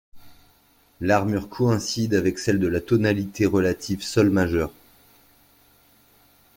L'armure coïncide avec celle de la tonalité relative sol majeur.